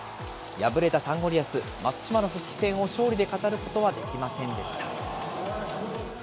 敗れたサンゴリアス、松島の復帰戦を勝利で飾ることはできませんでした。